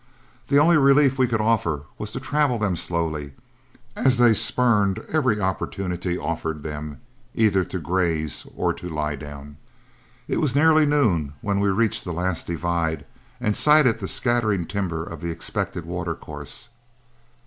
The only relief we could offer was to travel them slowly, as they spurned every opportunity offered them either to graze or to lie down. It was nearly noon when we reached the last divide, and sighted the scattering timber of the expected watercourse.